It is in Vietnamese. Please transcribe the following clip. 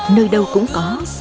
nơi đâu cũng có